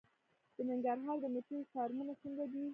د ننګرهار د مچیو فارمونه څنګه دي؟